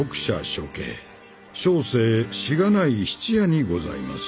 諸兄小生しがない質屋にございます。